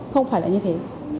không phải là như thế